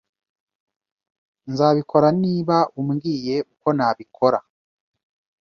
Nzabikora niba umbwiye uko nabikora.